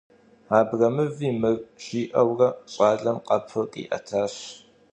Абрэмыви мыр, - жиӏэурэ щӏалэм къэпыр къиӏэтащ.